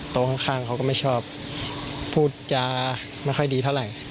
ข้างเขาก็ไม่ชอบพูดจาไม่ค่อยดีเท่าไหร่